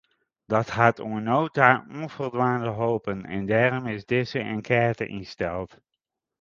Dat hat oant no ta ûnfoldwaande holpen en dêrom is dizze enkête ynsteld.